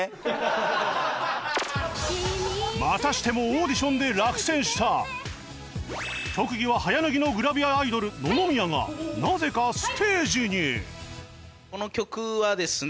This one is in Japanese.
またしてもオーディションで落選した特技は早脱ぎのグラビアアイドル野々宮がなぜかステージに！